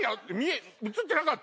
映ってなかった？